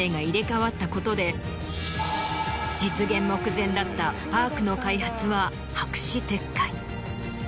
実現目前だったパークの開発は白紙撤回。